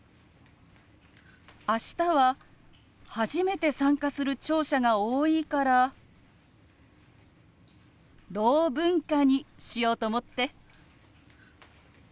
明日は初めて参加する聴者が多いから「ろう文化」にしようと思って。